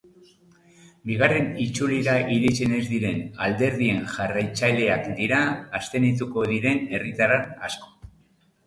Bigarren itzulira iritsi ez diren alderdien jarraitzaileak dira abstenituko diren herritar asko.